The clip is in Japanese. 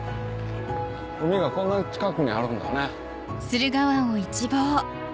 海がこんな近くにあるんだね。